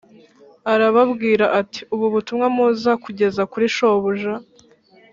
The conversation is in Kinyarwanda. arababwira ati «Ubutumwa muza kugeza kuri shobuja